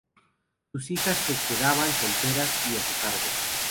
Sus hijas se quedaban solteras y a su cargo.